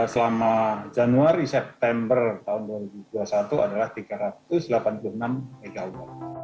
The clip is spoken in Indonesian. selama januari september tahun dua ribu dua puluh satu adalah tiga ratus delapan puluh enam mw